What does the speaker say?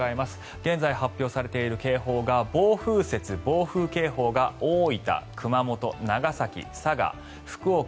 現在、発表されている警報が暴風雪・暴風警報が大分、熊本、長崎、佐賀、福岡